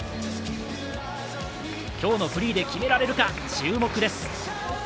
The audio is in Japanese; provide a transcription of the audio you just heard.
今日のフリーで決められるか注目です。